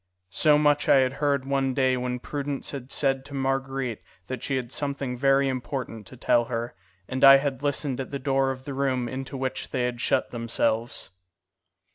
So much I had heard one day when Prudence had said to Marguerite that she had something very important to tell her, and I had listened at the door of the room into which they had shut themselves.